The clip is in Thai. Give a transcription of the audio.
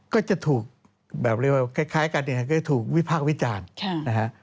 ก็จะถูกแบบเรียกว่าคล้ายกันก็จะถูกวิภาควิจารณ์